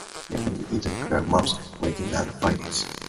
The building is closed most Weekends and Holidays.